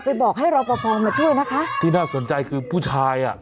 ไปบอกให้เราประพาทมาช่วยนะคะที่น่าสนใจคือผู้ชายน่ะ